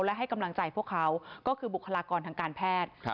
และให้กำลังใจพวกเขาก็คือบุคลากรทางการแพทย์